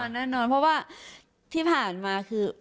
แน่นอนเพราะว่าที่ผ่านมาคือ